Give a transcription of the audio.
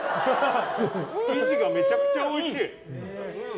生地がめちゃくちゃおいしい！